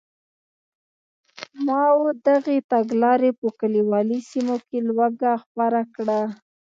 ماوو دغې تګلارې په کلیوالي سیمو کې لوږه خپره کړه.